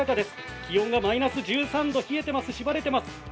気温がマイナス１３度冷えています、しばれています。